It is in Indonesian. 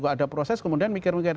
ada proses kemudian mikir mikir